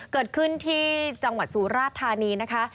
เกิดขึ้นที่จังหวัดสุราชธานีนะคะ